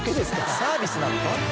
サービスなのか？